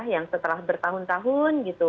yang setelah bertahun tahun gitu